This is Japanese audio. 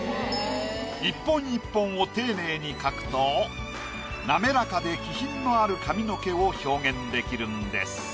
１本１本を丁寧に描くと滑らかで気品のある髪の毛を表現出来るんです。